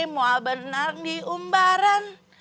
mau benar diumbaran